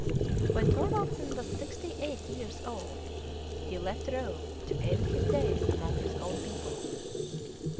When Thorwaldsen was sixty eight years old, he left Rome to end his days among his own people.